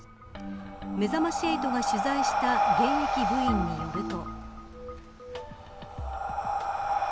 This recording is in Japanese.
めざまし８が取材した現役部員によると。